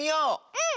うん！